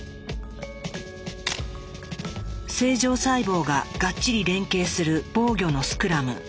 正常細胞ががっちり連携する防御のスクラム。